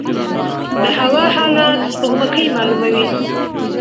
د هوا حالات سپوږمکۍ معلوموي